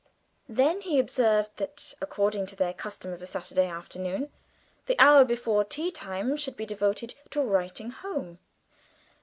Then he observed that, according to their custom of a Saturday afternoon, the hour before tea time should be devoted to "writing home."